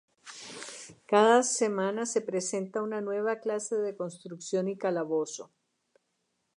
Cada semana se presenta una nueva clase de construcción y calabozo.